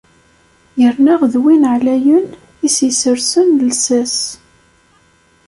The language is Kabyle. Yerna d win εlayen i s-issersen llsas.